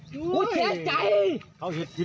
กูเช้าใจ